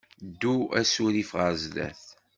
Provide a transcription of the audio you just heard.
Ddu asurif ɣer sdat.